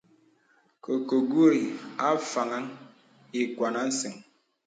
Kɛkɛgùrì a faŋaŋ ìkwàn à səŋ.